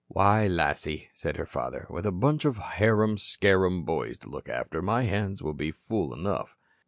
"Why, Lassie," said her father, "with a bunch of harum scarum boys to look after, my hands will be full enough."